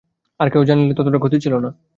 আর কেহ জানিলে ততটা ক্ষতি ছিল না।